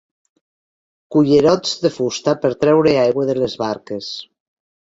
Cullerots de fusta per treure aigua de les barques.